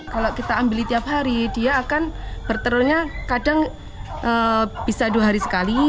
kalau kita ambil tiap hari dia akan berterunya kadang bisa dua hari sekali